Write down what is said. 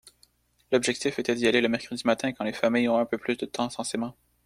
L’objectif était d’y aller le mercredi matin quand les familles ont un peu plus de temps censément.